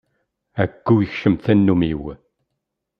Ɛeggu yekcem tannumi-w.